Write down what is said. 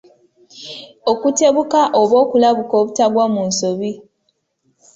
Okutebuka oba okulabuka obutagwa mu nsobi.